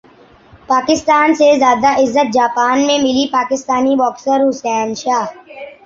پاکستان سے زیادہ عزت جاپان میں ملی پاکستانی باکسر حسین شاہ